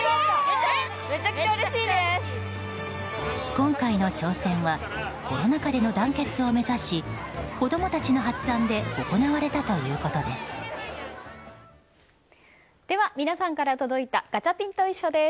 今回の挑戦はコロナ禍での団結を目指し子供たちの発案で行われたということです。